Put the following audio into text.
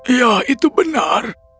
ya itu benar